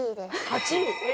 ８位？